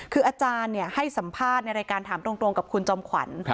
คืออาจารย์ให้สัมภาษณ์ในรายการถามตรงกับคุณจอมขวัญ